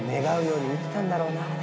願うように見てたんだろうな。